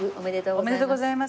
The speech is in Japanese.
おめでとうございます。